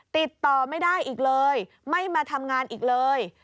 ติดต่อไม่ได้อีกเลยไม่มาทำงานอีกเลย